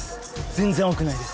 全然青くないです！